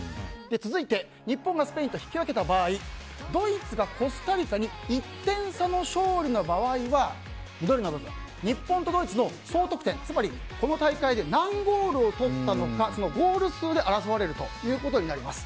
続いて日本がスペインと引き分けた場合ドイツがコスタリカに１点差の勝利の場合は緑の部分日本とドイツの総得点つまりこの大会で何ゴールを取ったのかそのゴール数で争われることになります。